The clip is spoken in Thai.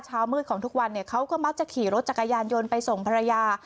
เช้ามืดของทุกวันเนี่ยเขาก็มักจะขี่รถจักรยานยนต์ไปส่งภรรยา